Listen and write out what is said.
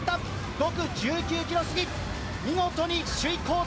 ５区１９キロ過ぎ、見事に首位交代。